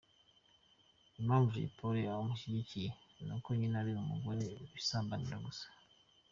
Impamvu Jay Polly amushyigikiye, nuko nyine ari umugore bisambanira gusa.